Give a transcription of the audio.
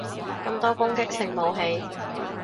咁多攻擊性武器